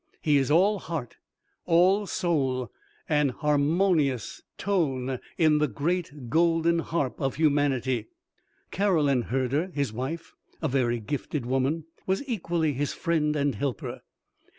He is all heart, all soul; an harmonious tone in the great golden harp of humanity." Caroline Herder, his wife, a very gifted woman, was equally his friend and helper.